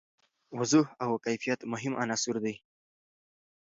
وضوح او کیفیت مهم عناصر دي.